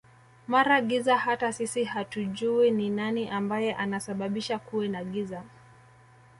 mara giza hata sisi hatujuwi ni nani ambaye ana sababisha kuwe na giza